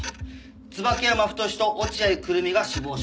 椿山太と落合久瑠実が死亡しました。